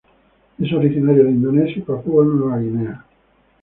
Es originaria de Indonesia y Papua Nueva Guinea.